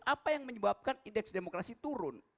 apa yang menyebabkan indeks demokrasi turun